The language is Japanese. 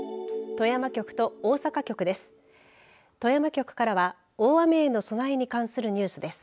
富山局からは大雨への備えに関するニュースです。